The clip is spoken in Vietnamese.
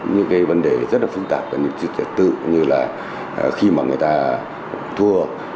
những cái vấn đề rất là phức tạp những cái tự như là khi mà người ta thua